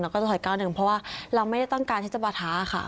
เราก็จะถอยก้าวหนึ่งเพราะว่าเราไม่ได้ต้องการทฤษฐาค่ะ